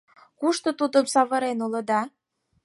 Кушко тудым савырен улыда!